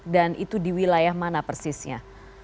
dan itu di wilayah mana persisnya